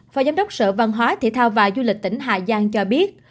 phó giám đốc sở văn hóa thể thao và du lịch tỉnh hà giang cho biết